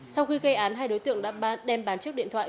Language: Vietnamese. sau khi gây án hai đối tượng đã đem bán chiếc điện thoại